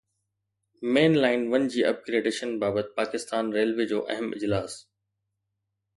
مين line one جي upgradation بابت Pakistan railway جو اهم اجلاس